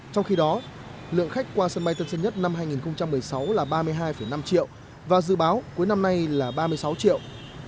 trong khi đó lượng khách qua sân bay tân sơn nhất năm hai nghìn một mươi sáu là ba mươi hai năm triệu và dự báo cuối năm nay là ba mươi sáu triệu